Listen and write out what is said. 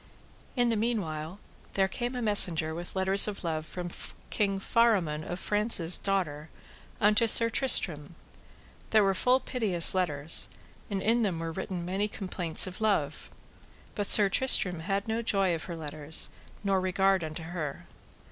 In the meanwhile there came a messenger with letters of love from King Faramon of France's daughter unto Sir Tristram, that were full piteous letters, and in them were written many complaints of love; but Sir Tristram had no joy of her letters nor regard unto her.